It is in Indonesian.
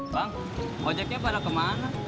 bang ojeknya pada kemana